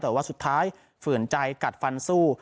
แต่ว่าสุดท้ายเฝื่อนใจกัดฟันสู้